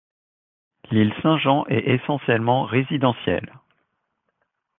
L'île Saint-Jean est essentiellement résidentielle.